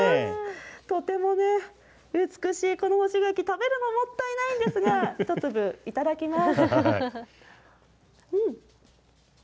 とても美しいこの干し柿、食べるの、もったいないんですが、一粒頂きます。